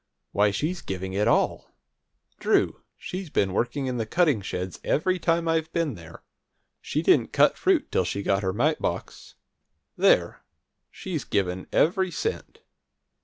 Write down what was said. "Why, she's giving it all! Drew, she's been working in the cutting sheds every time I've been there. She didn't cut fruit till she got her mite box. There, she's given every cent!"